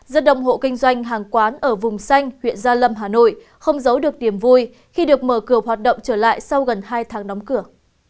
rất đông hộ kinh doanh hàng quán ở vùng xanh huyện gia lâm hà nội không giấu được niềm vui khi được mở cửa hoạt động trở lại sau gần hai tháng đóng cửa